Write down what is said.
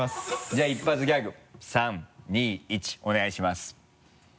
じゃあ一発ギャグ３２１お願いします。